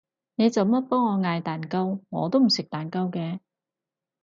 你做乜幫我嗌蛋糕？我都唔食蛋糕嘅